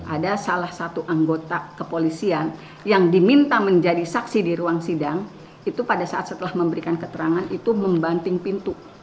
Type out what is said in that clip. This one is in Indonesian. ada salah satu anggota kepolisian yang diminta menjadi saksi di ruang sidang itu pada saat setelah memberikan keterangan itu membanting pintu